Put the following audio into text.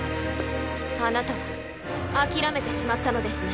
あなたは諦めてしまったのですね。